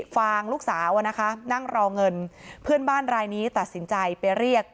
ฟางลูกสาวอะนะคะนั่งรอเงินเพื่อนบ้านรายนี้ตัดสินใจไปเรียก